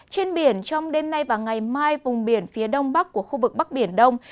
trên biển trong đêm nay và ngày mai vùng biển phía đông bắc của khu vực bắc biển đông